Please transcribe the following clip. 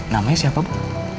namanya siapa bu